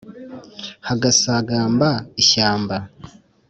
hagasagamba ishyamba.